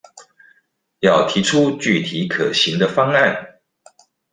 要提出具體可行的方案